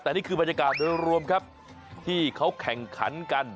แต่นี่คือมันก็ได้รวมครับที่เขาแข่งคันกัน